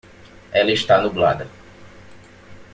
Ela está nublada.